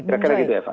kira kira gitu ya pak